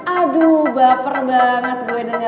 aduh baper banget gue dengernya